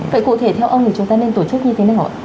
vậy cụ thể theo ông thì chúng ta nên tổ chức như thế nào ạ